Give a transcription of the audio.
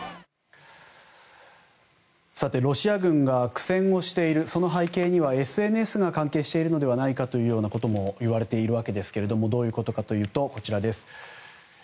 ロシア軍が苦戦をしているその背景にはＳＮＳが関係しているのではないかということもいわれていますがどういうことかというとこちらです。